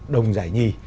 đồng giải nhì